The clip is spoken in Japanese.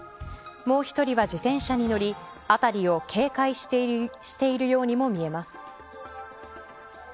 もう１人は自転車に乗り辺りを警戒しているようにも見えます。